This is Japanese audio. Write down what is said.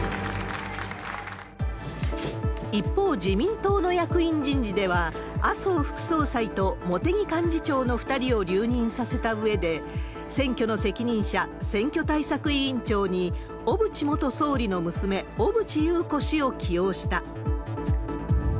一方、自民党の役員人事では、麻生副総裁と茂木幹事長の２人を留任させたうえで、選挙の責任者、選挙対策委員長に、小渕元総理の娘、小渕優子氏を起用した。